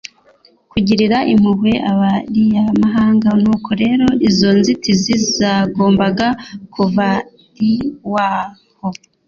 kugirira impuhwe abariyamahariga. Nuko rero izo nzitizi zagombaga kuvariwaho.